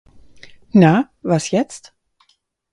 Na, was jetzt?